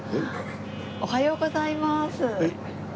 おはようございます。